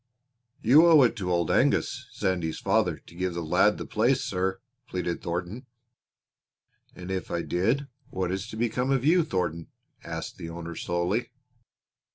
"You owe it to Old Angus, Sandy's father, to give the lad the place, sir," pleaded Thornton. "And if I did what is to become of you, Thornton?" asked the owner slowly.